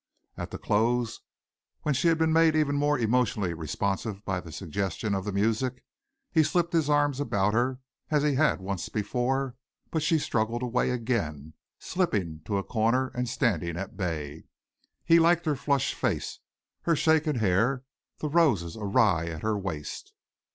At the close, when she had been made even more emotionally responsive by the suggestion of the music, he slipped his arms about her as he had once before, but she struggled away again, slipping to a corner and standing at bay. He liked her flushed face, her shaken hair, the roses awry at her waist.